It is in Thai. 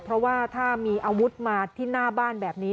เพราะว่าถ้ามีอาวุธมาที่หน้าบ้านแบบนี้